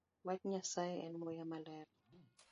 Wach Nyasaye en muya maler